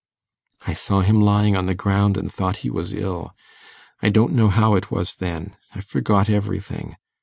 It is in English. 'I saw him lying on the ground and thought he was ill. I don't know how it was then; I forgot everything.